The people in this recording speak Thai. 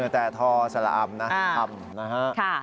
แต่ทอสละอำนะทำนะฮะ